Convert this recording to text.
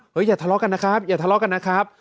เฮ้ยอย่าทะเลาะกันนะครับ